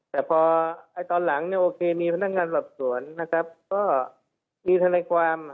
แต่พอตอนหลังเนี่ยโอเคมีพนักงานสอบสวนนะครับก็มีทนายความ